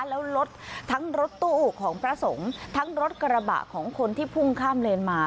แล้วรถทั้งรถตู้ของพระสงฆ์ทั้งรถกระบะของคนที่พุ่งข้ามเลนมา